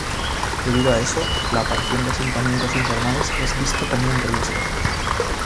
Debido a eso, la aparición de asentamientos informales es visto como un riesgo.